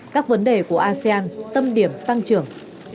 các vấn đề của asean tâm điểm tăng trưởng